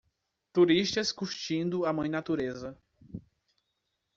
Turistas curtindo a mãe natureza.